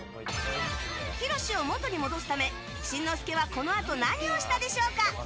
ひろしを元に戻すためしんのすけはこのあと、何をしたでしょうか。